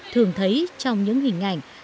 thường thấy trong những hình ảnh